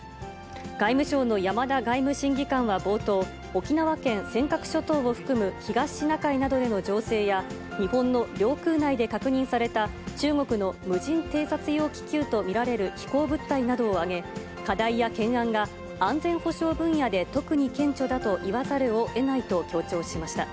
外務省の山田外務審議官は冒頭、沖縄県尖閣諸島を含む東シナ海などでの情勢や、日本の領空内で確認された、中国の無人偵察用気球と見られる飛行物体などを挙げ、課題や懸案が安全保障分野で特に顕著だと言わざるをえないと強調しました。